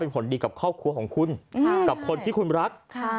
เป็นผลดีกับครอบครัวของคุณอืมถ้าคนที่คุณรักค่ะเพราะ